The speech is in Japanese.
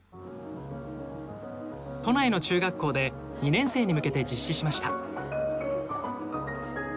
都内の中学校で２年生に向けて実施しました。